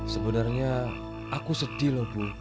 sebenarnya aku sedih loh bu